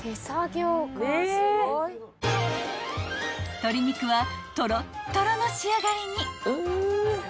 ［鶏肉はとろっとろの仕上がりに］